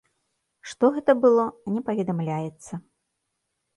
Што гэта было, не паведамляецца.